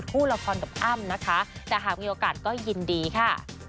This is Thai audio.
แรมดรที่ตอน๒ละครบัสอ้ำก็ค่ะแต่หามือก่อนก็ยินดีค่ะ